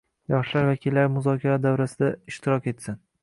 Yoshlar vakillari muzokaralar davrasida ishtirok etsin